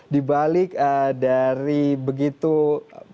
dibalik dari begitu banyak